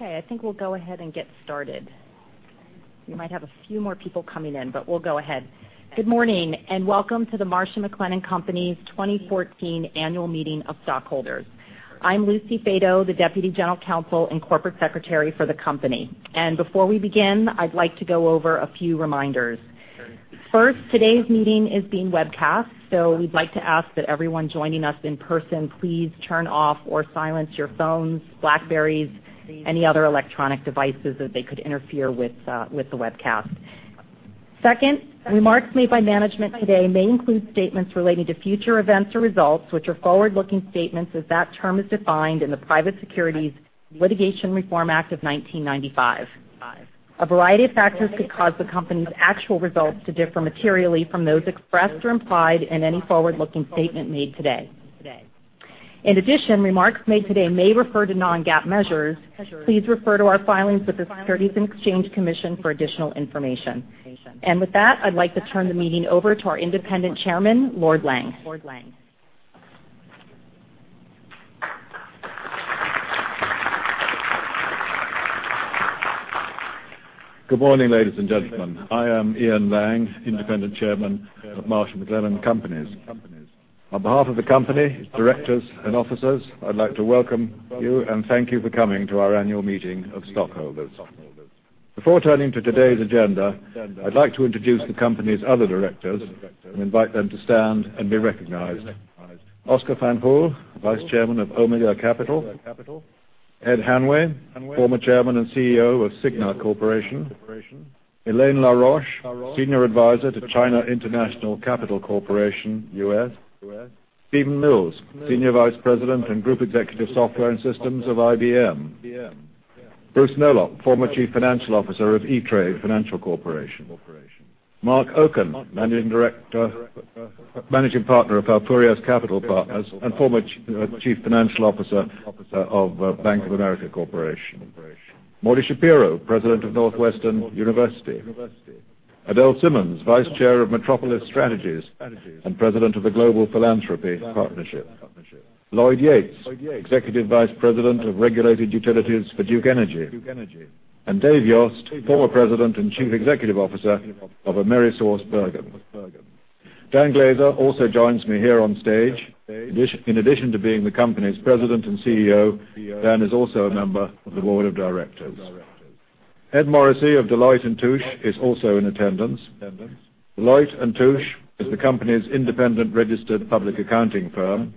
I think we'll go ahead and get started. We might have a few more people coming in, but we'll go ahead. Good morning, and welcome to the Marsh & McLennan Companies 2014 Annual Meeting of Stockholders. I'm Lucy Fato, the Deputy General Counsel and Corporate Secretary for the company. Before we begin, I'd like to go over a few reminders. First, today's meeting is being webcast, so we'd like to ask that everyone joining us in person, please turn off or silence your phones, BlackBerries, any other electronic devices that they could interfere with the webcast. Second, remarks made by management today may include statements relating to future events or results, which are forward-looking statements as that term is defined in the Private Securities Litigation Reform Act of 1995. A variety of factors could cause the company's actual results to differ materially from those expressed or implied in any forward-looking statement made today. In addition, remarks made today may refer to non-GAAP measures. Please refer to our filings with the Securities and Exchange Commission for additional information. With that, I'd like to turn the meeting over to our independent chairman, Lord Lang. Good morning, ladies and gentlemen. I am Ian Lang, Independent Chairman of Marsh & McLennan Companies. On behalf of the company, its directors and officers, I'd like to welcome you and thank you for coming to our annual meeting of stockholders. Before turning to today's agenda, I'd like to introduce the company's other directors and invite them to stand and be recognized. Óscar Fanjul, Vice Chairman of Omega Capital. Ed Hanway, former Chairman and CEO of Cigna Corporation. Elaine La Roche, Senior Advisor to China International Capital Corporation, U.S. Steven Mills, Senior Vice President and Group Executive Software and Systems of IBM. Bruce Nolop, former Chief Financial Officer of E*TRADE Financial Corporation. Marc Oken, Managing Partner of Falfurrias Capital Partners and former Chief Financial Officer of Bank of America Corporation. Morty Shapiro, President of Northwestern University. Adele Simmons, Vice Chair of Metropolis Strategies and President of the Global Philanthropy Partnership. Lloyd Yates, Executive Vice President of Regulated Utilities for Duke Energy. Dave Yost, former President and Chief Executive Officer of AmerisourceBergen. Dan Glaser also joins me here on stage. In addition to being the company's President and CEO, Dan is also a member of the board of directors. Ed Morrissey of Deloitte & Touche is also in attendance. Deloitte & Touche is the company's independent registered public accounting firm,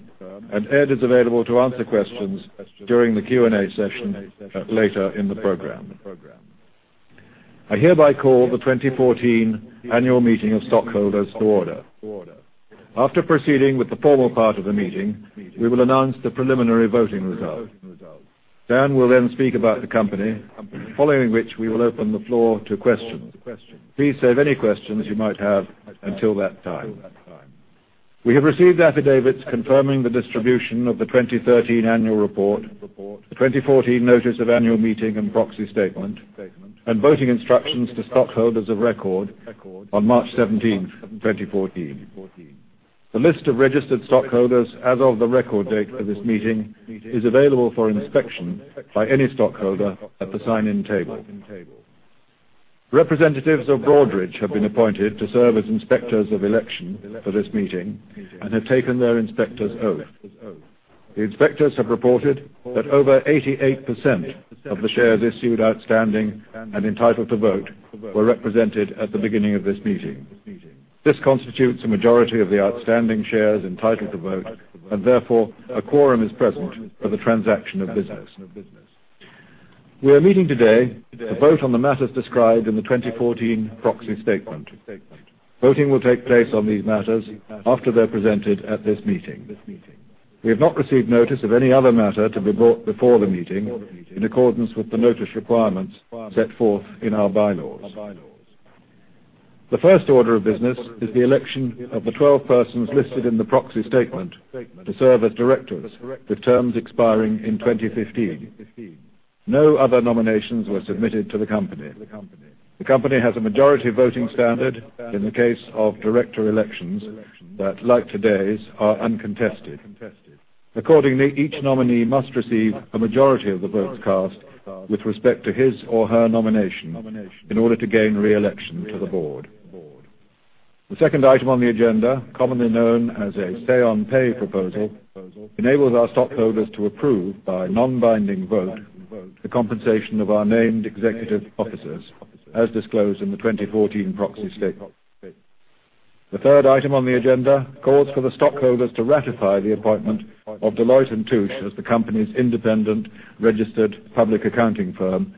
Ed is available to answer questions during the Q&A session later in the program. I hereby call the 2014 Annual Meeting of Stockholders to order. After proceeding with the formal part of the meeting, we will announce the preliminary voting result. Dan will then speak about the company, following which we will open the floor to questions. Please save any questions you might have until that time. We have received affidavits confirming the distribution of the 2013 annual report, the 2014 notice of annual meeting and proxy statement, and voting instructions to stockholders of record on March 17th, 2014. The list of registered stockholders as of the record date for this meeting is available for inspection by any stockholder at the sign-in table. Representatives of Broadridge have been appointed to serve as inspectors of election for this meeting and have taken their inspector's oath. The inspectors have reported that over 88% of the shares issued, outstanding, and entitled to vote were represented at the beginning of this meeting. This constitutes a majority of the outstanding shares entitled to vote, and therefore, a quorum is present for the transaction of business. We are meeting today to vote on the matters described in the 2014 proxy statement. Voting will take place on these matters after they're presented at this meeting. We have not received notice of any other matter to be brought before the meeting in accordance with the notice requirements set forth in our bylaws. The first order of business is the election of the 12 persons listed in the proxy statement to serve as directors with terms expiring in 2015. No other nominations were submitted to the company. The company has a majority voting standard in the case of director elections that, like today's, are uncontested. Accordingly, each nominee must receive a majority of the votes cast with respect to his or her nomination in order to gain re-election to the board. The second item on the agenda, commonly known as a say on pay proposal, enables our stockholders to approve by non-binding vote the compensation of our named executive officers as disclosed in the 2014 proxy statement. The third item on the agenda calls for the stockholders to ratify the appointment of Deloitte & Touche as the company's independent registered public accounting firm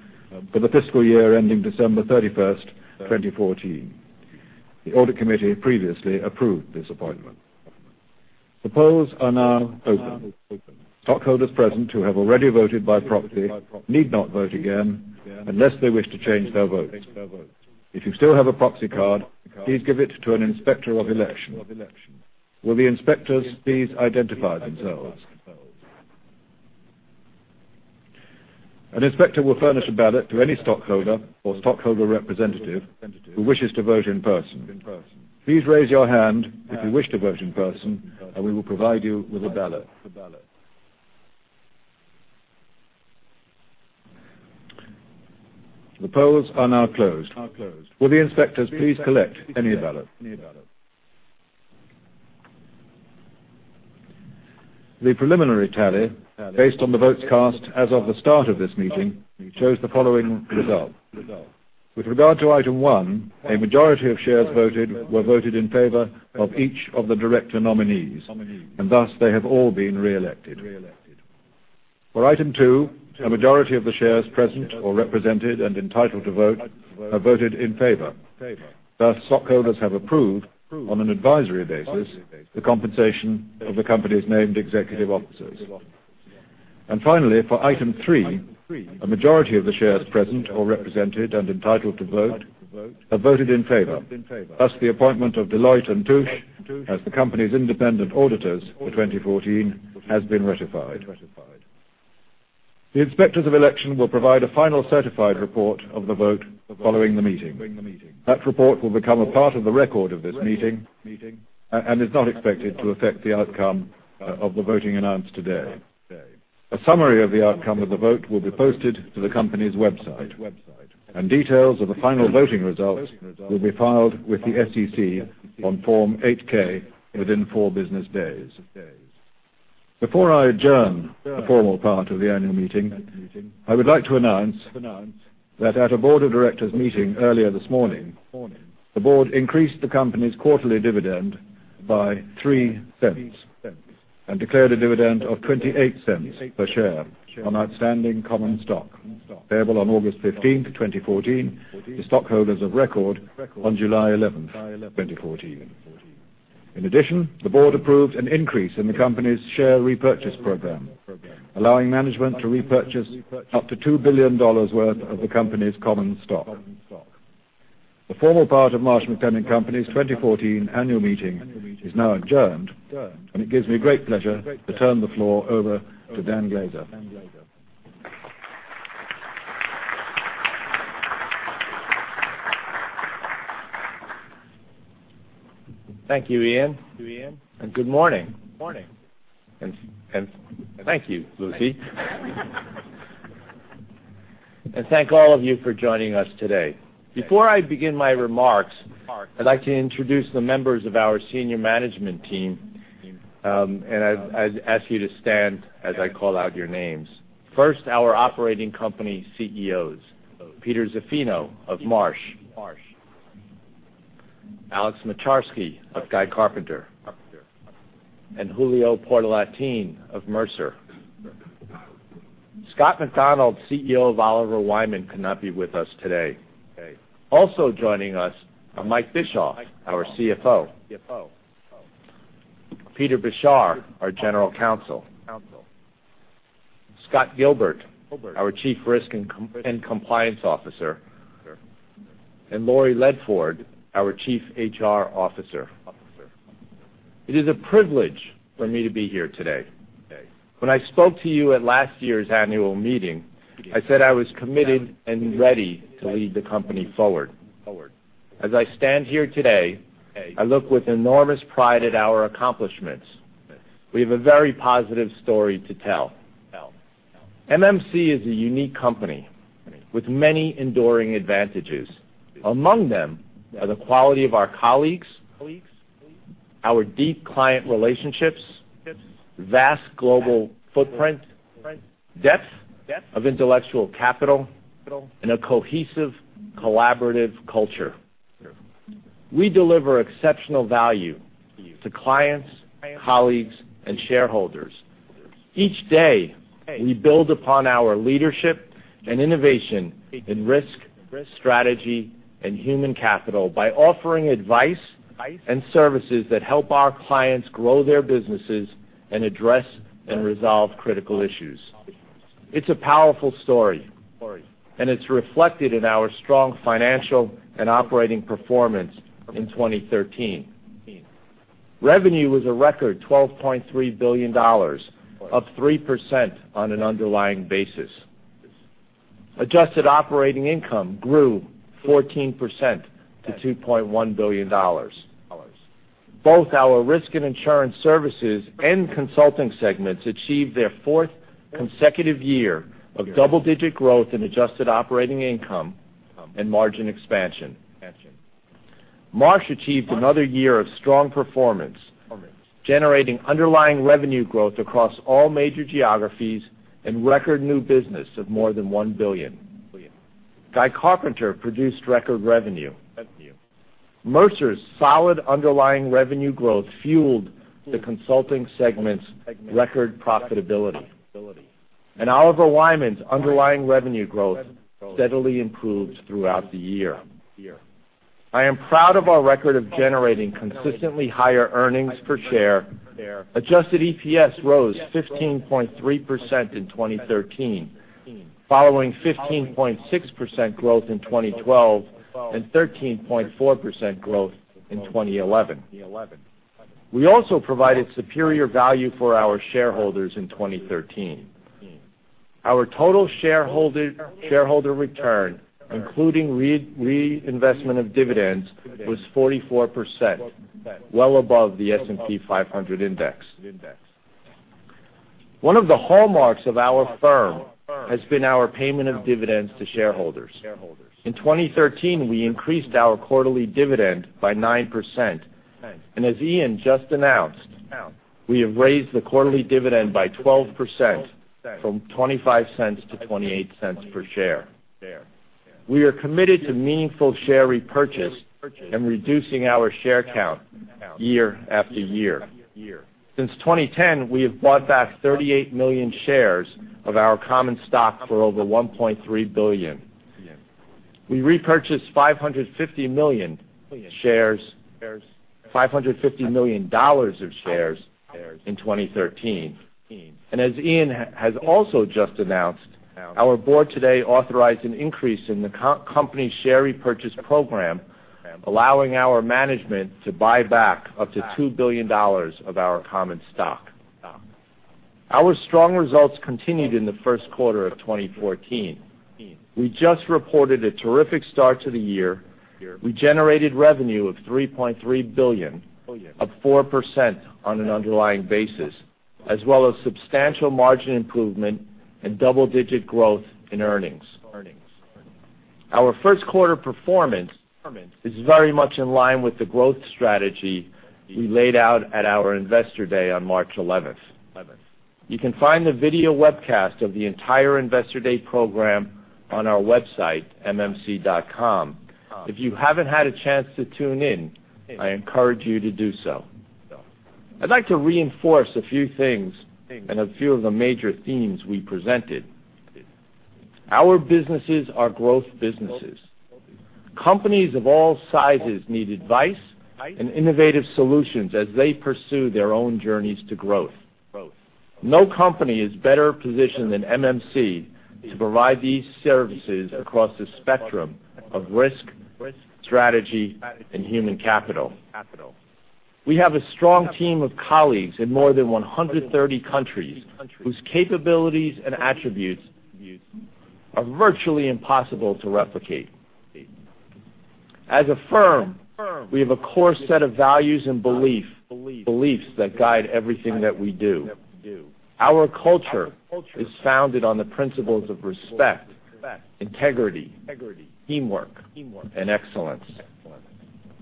for the fiscal year ending December 31st, 2014. The audit committee previously approved this appointment. The polls are now open. Stockholders present who have already voted by proxy need not vote again unless they wish to change their vote. If you still have a proxy card, please give it to an inspector of election. Will the inspectors please identify themselves? An inspector will furnish a ballot to any stockholder or stockholder representative who wishes to vote in person. Please raise your hand if you wish to vote in person, and we will provide you with a ballot. The polls are now closed. Will the inspectors please collect any ballots? The preliminary tally based on the votes cast as of the start of this meeting shows the following result. With regard to item one, a majority of shares voted were voted in favor of each of the director nominees, and thus they have all been reelected. For item two, a majority of the shares present or represented and entitled to vote have voted in favor. Thus, stockholders have approved, on an advisory basis, the compensation of the company's named executive officers. Finally, for item three, a majority of the shares present or represented and entitled to vote have voted in favor. Thus, the appointment of Deloitte & Touche as the company's independent auditors for 2014 has been ratified. The Inspectors of Election will provide a final certified report of the vote following the meeting. That report will become a part of the record of this meeting and is not expected to affect the outcome of the voting announced today. A summary of the outcome of the vote will be posted to the company's website, and details of the final voting results will be filed with the SEC on Form 8-K within four business days. Before I adjourn the formal part of the annual meeting, I would like to announce that at a board of directors meeting earlier this morning, the board increased the company's quarterly dividend by $0.03 and declared a dividend of $0.28 per share on outstanding common stock payable on August 15th, 2014 to stockholders of record on July 11th, 2014. The board approved an increase in the company's share repurchase program, allowing management to repurchase up to $2 billion worth of the company's common stock. The formal part of Marsh & McLennan Companies' 2014 annual meeting is now adjourned, and it gives me great pleasure to turn the floor over to Dan Glaser. Thank you, Ian, and good morning. Thank you, Lucy. Thank all of you for joining us today. Before I begin my remarks, I'd like to introduce the members of our senior management team, and I'd ask you to stand as I call out your names. First, our operating company CEOs, Peter Zaffino of Marsh, Alex Moczarski of Guy Carpenter, and Julio Portalatin of Mercer. Scott McDonald, CEO of Oliver Wyman, could not be with us today. Also joining us are Mike Bischoff, our CFO, Peter Beshar, our general counsel, Scott Gilbert, our chief risk and compliance officer, and Laurie Ledford, our chief HR officer. It is a privilege for me to be here today. When I spoke to you at last year's annual meeting, I said I was committed and ready to lead the company forward. As I stand here today, I look with enormous pride at our accomplishments. We have a very positive story to tell. MMC is a unique company with many enduring advantages. Among them are the quality of our colleagues, our deep client relationships, vast global footprint, depth of intellectual capital, and a cohesive, collaborative culture. We deliver exceptional value to clients, colleagues, and shareholders. Each day, we build upon our leadership and innovation in risk, strategy, and human capital by offering advice and services that help our clients grow their businesses and address and resolve critical issues. It's a powerful story, and it's reflected in our strong financial and operating performance in 2013. Revenue was a record $12.3 billion, up 3% on an underlying basis. Adjusted operating income grew 14% to $2.1 billion. Both our risk and insurance services and consulting segments achieved their fourth consecutive year of double-digit growth in adjusted operating income and margin expansion. Marsh achieved another year of strong performance, generating underlying revenue growth across all major geographies and record new business of more than $1 billion. Guy Carpenter produced record revenue. Mercer's solid underlying revenue growth fueled the consulting segment's record profitability. Oliver Wyman's underlying revenue growth steadily improved throughout the year. I am proud of our record of generating consistently higher earnings per share. Adjusted EPS rose 15.3% in 2013, following 15.6% growth in 2012 and 13.4% growth in 2011. We also provided superior value for our shareholders in 2013. Our total shareholder return, including reinvestment of dividends, was 44%, well above the S&P 500 index. One of the hallmarks of our firm has been our payment of dividends to shareholders. In 2013, we increased our quarterly dividend by 9%, and as Ian just announced, we have raised the quarterly dividend by 12%, from $0.25 to $0.28 per share. We are committed to meaningful share repurchase and reducing our share count year after year. Since 2010, we have bought back 38 million shares of our common stock for over $1.3 billion. We repurchased $550 million of shares in 2013. As Ian has also just announced, our board today authorized an increase in the company's share repurchase program, allowing our management to buy back up to $2 billion of our common stock. Our strong results continued in the first quarter of 2014. We just reported a terrific start to the year. We generated revenue of $3.3 billion, up 4% on an underlying basis, as well as substantial margin improvement and double-digit growth in earnings. Our first quarter performance is very much in line with the growth strategy we laid out at our Investor Day on March 11th. You can find the video webcast of the entire Investor Day program on our website, mmc.com. If you haven't had a chance to tune in, I encourage you to do so. I'd like to reinforce a few things and a few of the major themes we presented. Our businesses are growth businesses. Companies of all sizes need advice and innovative solutions as they pursue their own journeys to growth. No company is better positioned than MMC to provide these services across the spectrum of risk, strategy, and human capital. We have a strong team of colleagues in more than 130 countries, whose capabilities and attributes are virtually impossible to replicate. As a firm, we have a core set of values and beliefs that guide everything that we do. Our culture is founded on the principles of respect, integrity, teamwork, and excellence.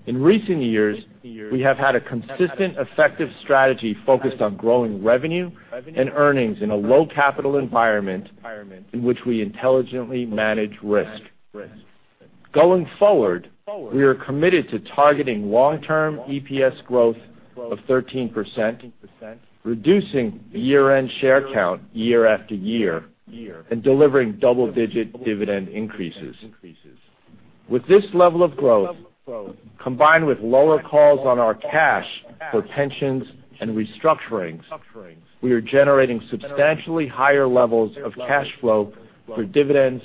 In recent years, we have had a consistent, effective strategy focused on growing revenue and earnings in a low-capital environment in which we intelligently manage risk. Going forward, we are committed to targeting long-term EPS growth of 13%, reducing year-end share count year after year, and delivering double-digit dividend increases. With this level of growth, combined with lower calls on our cash for pensions and restructurings, we are generating substantially higher levels of cash flow for dividends,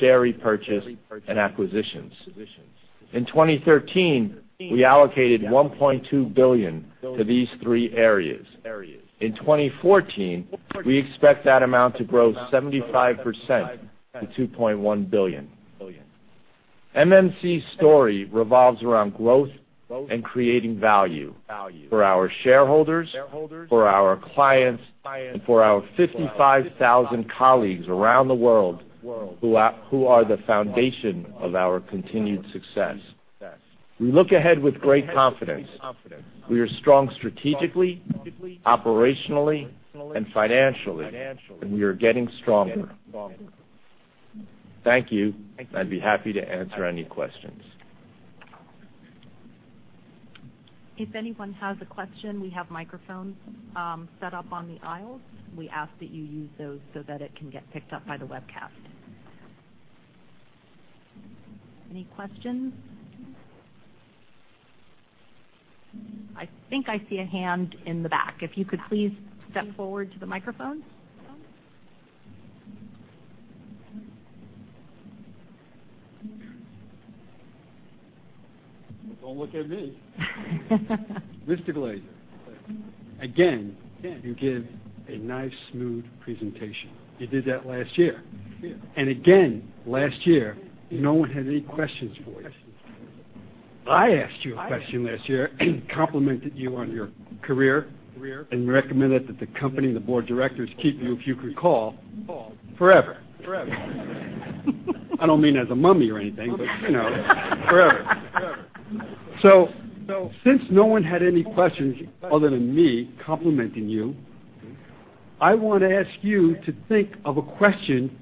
share repurchase, and acquisitions. In 2013, we allocated $1.2 billion to these three areas. In 2014, we expect that amount to grow 75% to $2.1 billion. MMC's story revolves around growth and creating value for our shareholders, for our clients, and for our 55,000 colleagues around the world who are the foundation of our continued success. We look ahead with great confidence. We are strong strategically, operationally, and financially, and we are getting stronger. Thank you. I'd be happy to answer any questions. If anyone has a question, we have microphones set up on the aisles. We ask that you use those so that it can get picked up by the webcast. Any questions? I think I see a hand in the back. If you could please step forward to the microphone. Don't look at me. Mr. Glaser, again, you give a nice, smooth presentation. You did that last year. Again, last year, no one had any questions for you. I asked you a question last year, complimented you on your career, and recommended that the company and the board of directors keep you, if you could recall, forever. I don't mean as a mummy or anything, but you know, forever. Since no one had any questions other than me complimenting you, I want to ask you to think of a question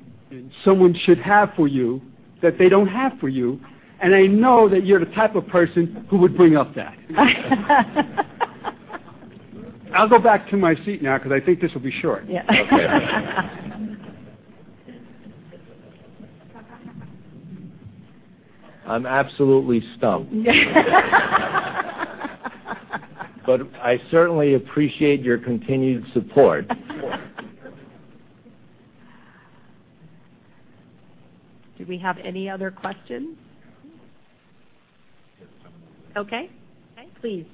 someone should have for you that they don't have for you, and I know that you're the type of person who would bring up that. I'll go back to my seat now because I think this will be short. Yeah. Okay. I'm absolutely stumped. I certainly appreciate your continued support. Do we have any other questions? Okay. Please.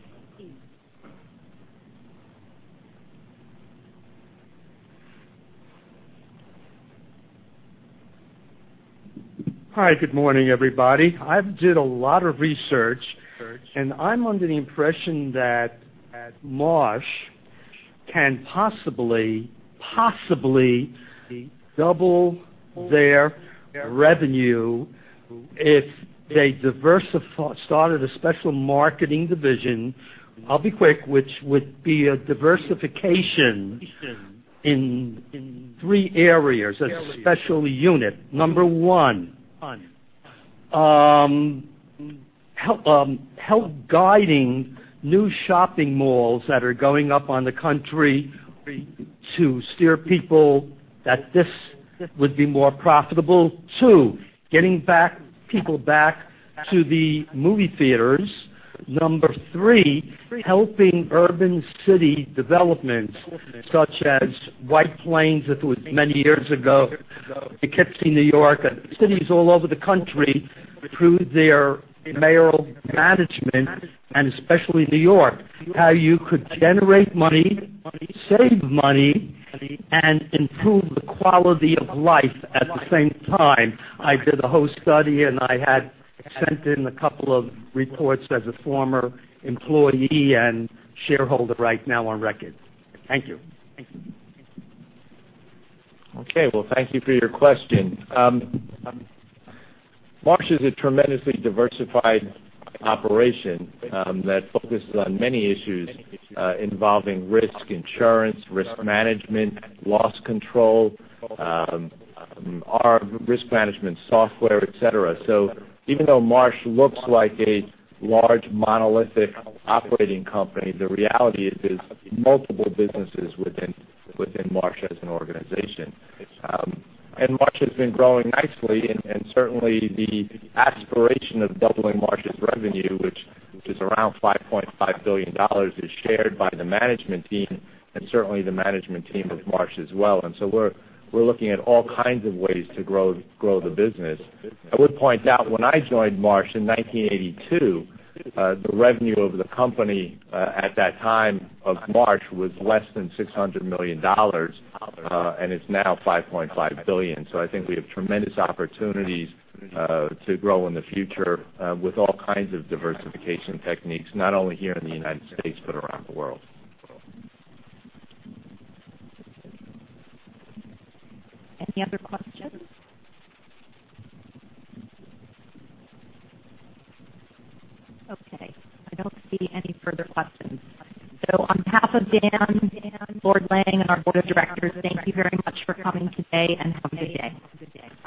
Hi, good morning, everybody. I did a lot of research, I'm under the impression that Marsh can possibly double their revenue if they started a special marketing division, I'll be quick, which would be a diversification in three areas, a special unit. Number one, help guiding new shopping malls that are going up in the country to steer people that this would be more profitable. Two, getting people back to the movie theaters. Number three, helping urban city developments such as White Plains, it was many years ago, Poughkeepsie, New York, and cities all over the country improve their mayoral management, especially New York, how you could generate money, save money, and improve the quality of life at the same time. I did a whole study, I had sent in a couple of reports as a former employee and shareholder right now on record. Thank you. Okay. Well, thank you for your question. Marsh is a tremendously diversified operation that focuses on many issues involving risk insurance, risk management, loss control, our risk management software, et cetera. Even though Marsh looks like a large, monolithic operating company, the reality is there's multiple businesses within Marsh as an organization. Marsh has been growing nicely, certainly the aspiration of doubling Marsh's revenue, which is around $5.5 billion, is shared by the management team and certainly the management team of Marsh as well. We're looking at all kinds of ways to grow the business. I would point out, when I joined Marsh in 1982, the revenue of the company at that time of Marsh was less than $600 million, it's now $5.5 billion. I think we have tremendous opportunities to grow in the future with all kinds of diversification techniques, not only here in the U.S. but around the world. Any other questions? Okay, I don't see any further questions. On behalf of Dan, Lord Lang, and our board of directors, thank you very much for coming today and have a good day.